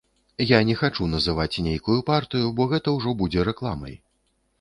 Я не хачу называць нейкую партыю, бо гэта ўжо будзе рэкламай.